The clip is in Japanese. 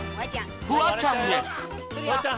フワちゃんへ。